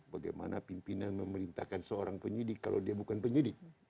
bagaimana pimpinan memerintahkan seorang penyidik kalau dia bukan penyidik